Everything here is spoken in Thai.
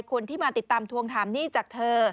คนที่มาติดตามทวงถามหนี้จากเธอ